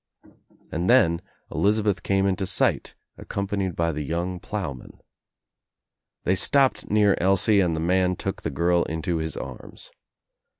158 THE TRIUMPH OF THE EGG And then Elizabeth came into sight accompanied by the young ploughman. They stopped near Elsie and the man look the girl into his arms.